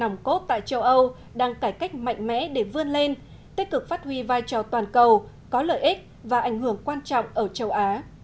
nòng cốt tại châu âu đang cải cách mạnh mẽ để vươn lên tích cực phát huy vai trò toàn cầu có lợi ích và ảnh hưởng quan trọng ở châu á